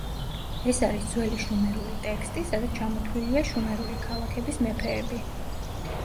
ეს არის ძველი შუმერული ტექსტი სადაც ჩამოთვლილია შუმერული ქალაქების მეფეები.